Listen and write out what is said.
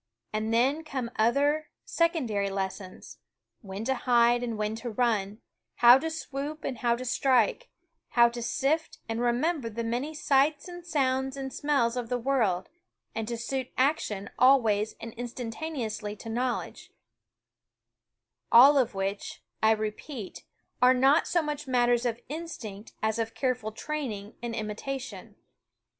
And then come other, secondary lessons, when to hide and when to run ; how to swoop and how to strike; how to sift and remember the many sights and sounds and smells of the world, and to suit action always and instantaneously to knowledge, all of which, I repeat, are not so much matters of instinct as of careful training and imitation.